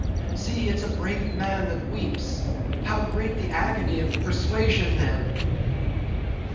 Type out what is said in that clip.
—see, it's a brave man that weeps; how great the agony of the persuasion then!"